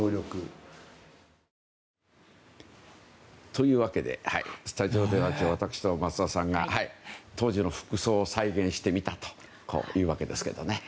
というわけでスタジオでは私と増田さんが当時の服装を再現してみたというわけですけどね。